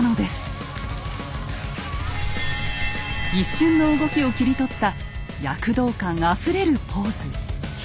一瞬の動きを切り取った躍動感あふれるポーズ。